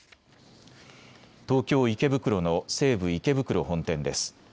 東京池袋の西武池袋本店です。